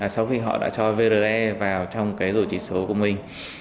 sau khi họ đã cho vre vào trong cái rủi chỉ số của mình